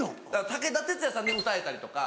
武田鉄矢さんで歌えたりとか。